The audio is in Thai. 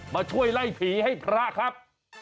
มาช่วยไล่ผีให้พระครับ